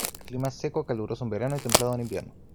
El clima es seco, caluroso en verano y templado en invierno.